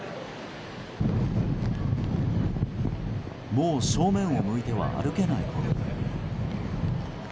もう正面を向いては歩けないほど。